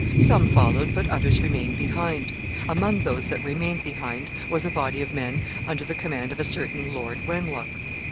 Some followed, but others remained behind. Among those that remained behind was a body of men under the command of a certain Lord Wenlock.